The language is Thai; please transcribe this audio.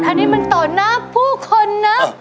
อันนี้มันต่อหน้าผู้คนนะ